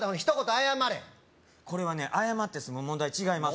謝れこれはね謝って済む問題違います